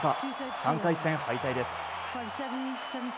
３回戦敗退です。